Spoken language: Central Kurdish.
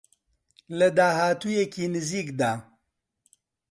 لە داهاتوویەکی نزیکدا